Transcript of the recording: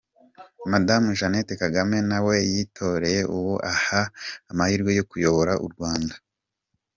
Madamu Jeannette Kagame na we yitoreye uwo aha amahirwe yo kuyobora u Rwanda.